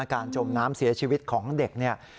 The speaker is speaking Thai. จมน้ำเสียชีวิตของเด็กเนี่ย